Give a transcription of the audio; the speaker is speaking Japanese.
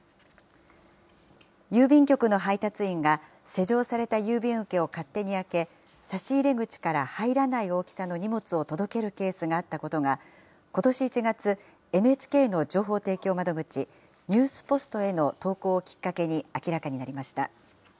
郵便局の配達員が、施錠された郵便受けを勝手に開け、差し入れ口から入らない大きさの荷物を届けるケースがあったことが、ことし１月、ＮＨＫの情報提供窓口、ニュースポストへの投稿をきっかけに明らかになりました。